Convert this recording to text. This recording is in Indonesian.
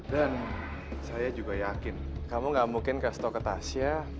dan saya juga yakin kamu gak mungkin kasih tau ke tasya